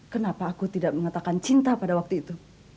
kenapa aku tidak mengatakan cinta pada waktu itu